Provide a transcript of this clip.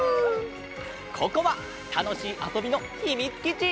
ここはたのしいあそびのひみつきち！